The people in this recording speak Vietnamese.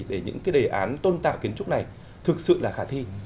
để những cái đề án tôn tạo kiến trúc này thực sự là khả thi